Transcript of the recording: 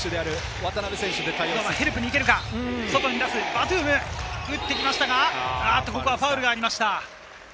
バトゥーム、打ってきましたが、ここはファウルがありました。